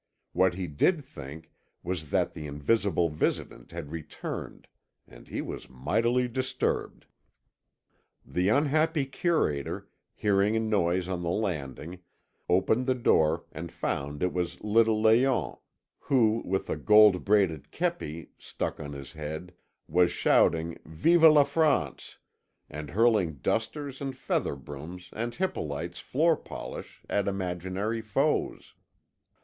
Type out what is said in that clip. What he did think was that the invisible visitant had returned, and he was mightily disturbed. The unhappy curator, hearing a noise on the landing, opened the door and found it was little Léon, who, with a gold braided képi stuck on his head, was shouting "Vive la France" and hurling dusters and feather brooms and Hippolyte's floor polish at imaginary foes.